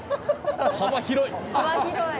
幅広い！